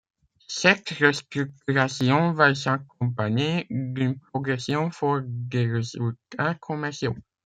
Cette restructuration va s’accompagner d’une progression forte des résultats commerciaux.